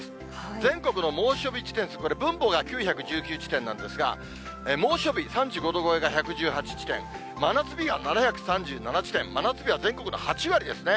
全国の猛暑日地点、これ、分母が９１９地点なんですが、猛暑日、３５度超えが１１８地点、真夏日は７３７地点、真夏日は全国の８割ですね。